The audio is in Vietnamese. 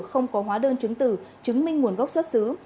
không có hóa đơn chứng tử chứng minh nguồn gốc xuất xứ